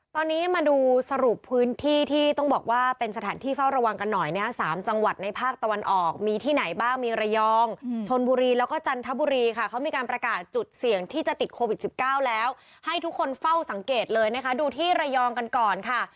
ตอนนี้มาดูสรุปพื้นที่ที่ต้องบอกว่าเป็นสถานที่เฝ้าระวังกันหน่อยนะฮะ๓จังหวัดในภาคตะวันออกมีที่ไหนบ้างมีระยองชนบุรีแล้วก็จันทบุรีค่ะเขามีการประกาศจุดเสี่ยงที่จะติดโควิด๑๙แล้วให้ทุกคนเฝ้าสังเกตเลยนะคะดูที่ระยองกันก่อนค่ะ